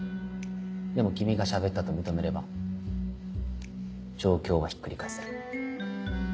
でも君が喋ったと認めれば状況はひっくり返せる。